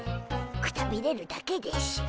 くたびれるだけでしゅ。